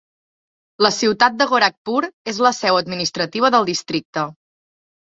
La ciutat de Gorakhpur és la seu administrativa del districte.